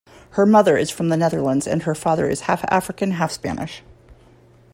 Her mother is from the Netherlands and her father is half African, half Spanish.